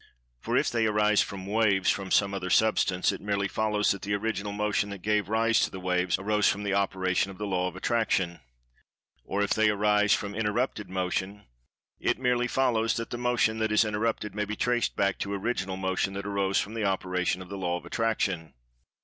For if they arise from "waves" from some other Substance, it merely follows that the Original Motion that gave rise to the "waves" arose from the operation of the Law of Attraction. Or, if they arise from "interrupted Motion," it merely follows that the Motion that is interrupted may be traced back to Original Motion that arose from the operation of the Law of Attraction.